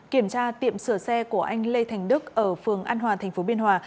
kiểm tra tiệm sửa xe của anh lê thành đức ở phường an hòa tp biên hòa